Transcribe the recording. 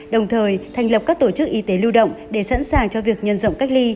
đồng thời thành lập các tổ chức y tế lưu động để sẵn sàng cho việc nhân rộng cách ly